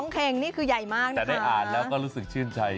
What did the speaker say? ๒เคงนี่คือใหญ่มากนะคะใช่ถูกต้องแต่ได้อ่านเราก็รู้สึกชื่นใจ